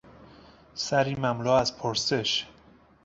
سری مملو از پرسش